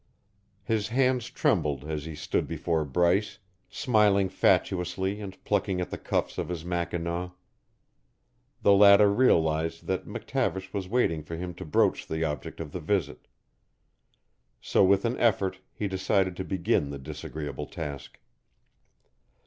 His hands trembled as he stood before Bryce, smiling fatuously and plucking at the cuffs of his mackinaw. The latter realized that McTavish was waiting for him to broach the object of the visit; so with an effort he decided to begin the disagreeable task.